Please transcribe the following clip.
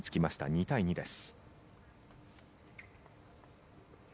２対２です。